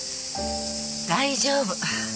大丈夫。